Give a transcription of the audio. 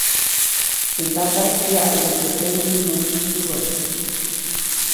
Teʼ ndataʼis pyaʼduʼuŋ teʼ tendsuŋ nä wyijtubä.